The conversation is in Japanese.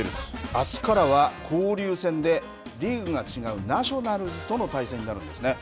あすからは、交流戦でリーグが違うナショナルズとの対戦になるんですね。